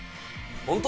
本当？